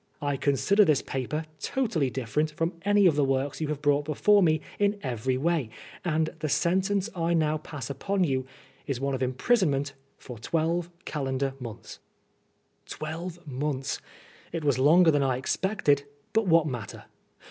I consider this paper totally different from any of the works you have brought before me in every way, and the sentence I now pass upon you is one of imprisonment for twelve calendar months." Twelve months I It was longer than I expected, but what matter